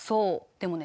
でもね